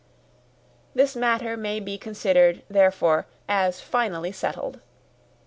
This matter may be considered, therefore, as finally settled."